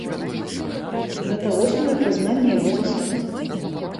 Гэта восьмае прызнанне яго заслуг.